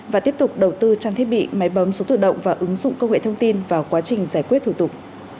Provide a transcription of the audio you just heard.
và tiếp tục đầu tư trang thiết bị máy bấm số tự động và ứng dụng công nghệ thông tin vào quá trình giải quyết thủ tục